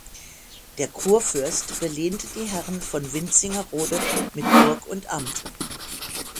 Der Kurfürst belehnte die Herren von Wintzingerode mit Burg und Amt.